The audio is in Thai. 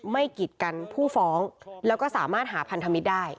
กิดกันผู้ฟ้องแล้วก็สามารถหาพันธมิตรได้